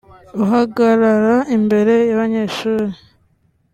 uhagarara imbere y’abanyeshuri”